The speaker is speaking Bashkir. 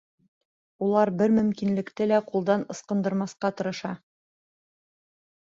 Улар бер мөмкинлекте лә ҡулдан ысҡындырмаҫҡа тырыша.